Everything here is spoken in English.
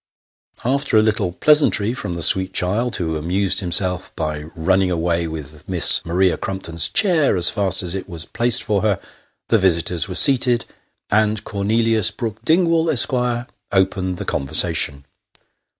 After a little pleasantry from the sweet child, who amused himself by running away with Miss Maria Crumpton's chair as fast as it was placed for her, the visitors were seated, and Cornelius Brook Ding wall, Esq., opened the conversation.